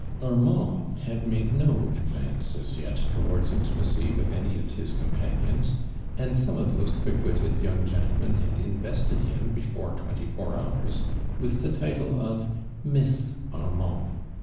Armand had made no a<lvance as vet towards intimacy with any of his comjjanions. and .some of those (|uick witte(l young gen tlemen had invested him Ix'lore twenty four hours with the title of Miss Armand.